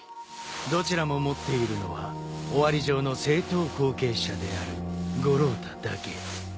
どちらも持っているのはオワリ城の正統後継者である五郎太だけ。